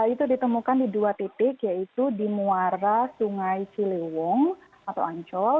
itu ditemukan di dua titik yaitu di muara sungai ciliwung atau ancol